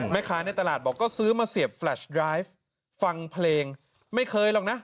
ในตลาดบอกก็ซื้อมาเสียบแฟลชไลฟ์ฟังเพลงไม่เคยหรอกนะ